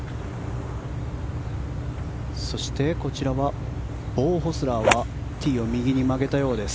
そして、こちらはボウ・ホスラーはティーを右に曲げたようです。